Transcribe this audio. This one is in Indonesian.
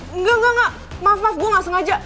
engga engga engga maaf maaf gue gak sengaja